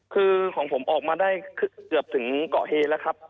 คือของผมออกมาได้เกือบถึงเกาะเฮแล้วครับ